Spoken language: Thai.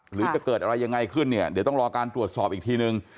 หรือจะเกิดอะไรยังไงขึ้นเนี่ยเดี๋ยวต้องรอการตรวจสอบอีกทีนึง